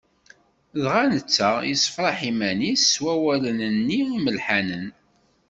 Dɣa netta yessefraḥ iman-is s wawlen-nni imelḥanen.